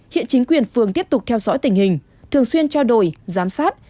hiện chính quyền phường tiếp tục theo dõi tình hình thường xuyên trao đổi giám sát